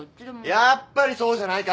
やっぱりそうじゃないか！